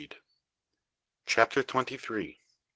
CHAPTER TWENTY THREE.